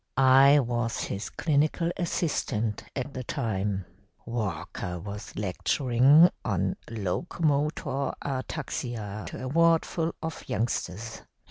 "I was his clinical assistant at the time. Walker was lecturing on locomotor ataxia to a wardful of youngsters.